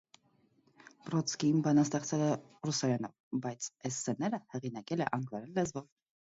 Բրոդսկին բանաստեղծել է ռուսերենով, բայց էսսեները հեղինակել է անգլերեն լեզվով։